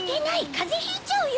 かぜひいちゃうよ！